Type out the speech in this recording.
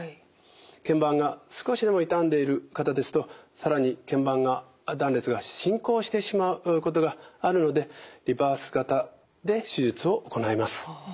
けん板が少しでも傷んでいる方ですと更にけん板断裂が進行してしまうことがあるのでリバース型で手術を行います。